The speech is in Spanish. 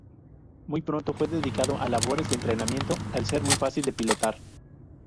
Muy pronto fue dedicado a labores de entrenamiento, al ser muy fácil de pilotar.